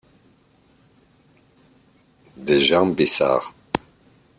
Des gens bizarres.